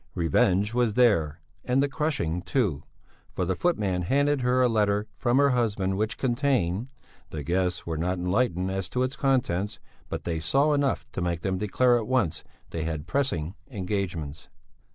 Revenge was there and the crushing too, for the footman handed her a letter from her husband which contained the guests were not enlightened as to its contents, but they saw enough to make them declare at once that they had pressing engagements.